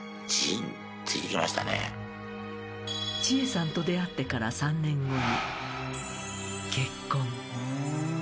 ［千恵さんと出会ってから３年後に］